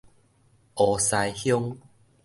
湖西鄉